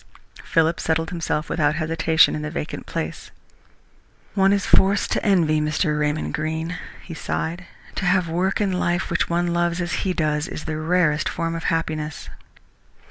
Philip settled himself without hesitation in the vacant place. "One is forced to envy Mr. Raymond Greene," he sighed. "To have work in life which one loves as he does his is the rarest form of happiness."